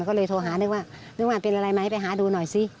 ก็เลยโทรหานึกว่านึกว่าเป็นอะไรไหมไปหาดูหน่อยสิ